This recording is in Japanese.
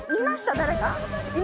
誰か。